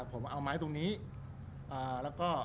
รูปนั้นผมก็เป็นคนถ่ายเองเคลียร์กับเรา